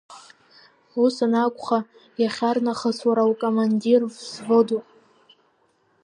Ус анакәха, иахьарнахыс уара укамандир взводуп.